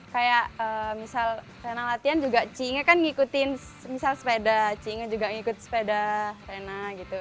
kayak misal trenan latihan juga cie inge kan ngikutin misal sepeda cie inge juga ngikut sepeda trenan gitu